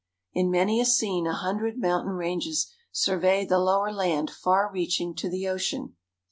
In many a scene a hundred mountain ranges survey the lower land far reaching to the ocean.